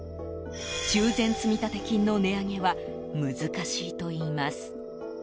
修繕積立金の値上げは難しいといいます。